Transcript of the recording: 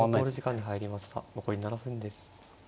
残り７分です。